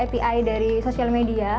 jadi kita ambil api dari sosial media